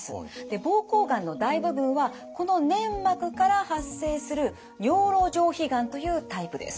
膀胱がんの大部分はこの粘膜から発生する尿路上皮がんというタイプです。